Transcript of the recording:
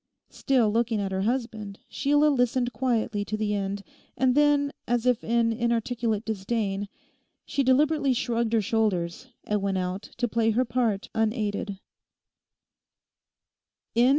Still looking at her husband. Sheila listened quietly to the end, and then, as if in inarticulate disdain, she deliberately shrugged her shoulders, and went out to play her part unaided.